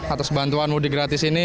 atas bantuan mudik gratis ini